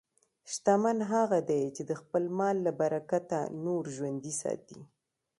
شتمن هغه دی چې د خپل مال له برکته نور ژوندي ساتي.